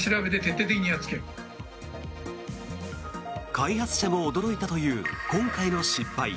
開発者も驚いたという今回の失敗。